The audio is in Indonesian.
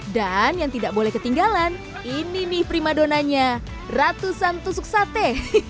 dan yang tidak boleh ketinggalan ini nih primadonanya ratusan tusuk sate